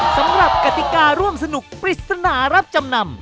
กติการ่วมสนุกปริศนารับจำนำ